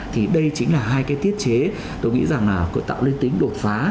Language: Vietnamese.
thì đây chính là hai cái tiết chế tôi nghĩ là tạo lên tính đột phá